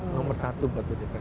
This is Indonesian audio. nomor satu buat btp